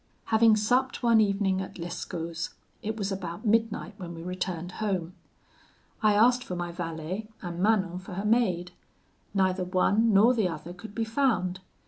"Having supped one evening at Lescaut's, it was about midnight when we returned home. I asked for my valet, and Manon for her maid; neither one nor the other could be found.